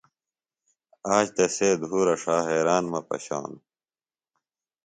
آج تسے دُھورہ ݜا حیران مہ پشانوۡ۔